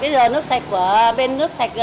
đến giờ nước sạch của bên nước sạch